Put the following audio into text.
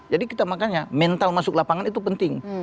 jadi kita makanya mental masuk lapangan itu penting